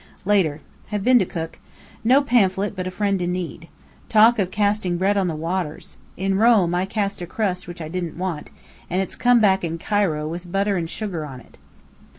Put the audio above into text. Later: Have been to Cook. No pamphlet, but a friend in need. Talk of casting bread on the waters! In Rome I cast a crust which I didn't want, and it's come back in Cairo with butter and sugar on it.